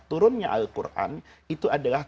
turunnya al quran itu adalah